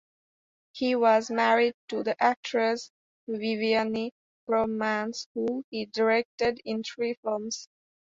He was married to the actress Viviane Romance who he directed in three films.